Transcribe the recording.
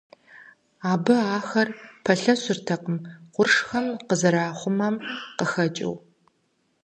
Абы ахэр пэлъэщыртэкъым къуршхэм къызэрахъумэм къыхэкӀыу.